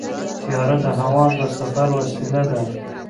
طیاره د هوا د سفر وسیله ده.